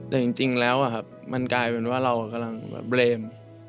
แต่จริงแล้วมันกลายเป็นว่าเรากำลังแบบเลม